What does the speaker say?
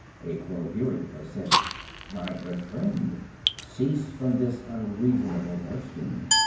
A Crow, hearing her, said: "My good friend, cease from this unreasonable boasting.